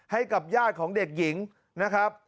ให้กับญาติของเด็กหญิงนะครับ